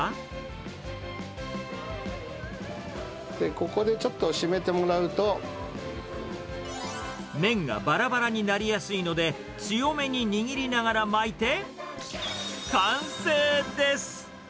ここでちょっと締めてもらう麺がばらばらになりやすいので、強めに握りながら巻いて、完成です。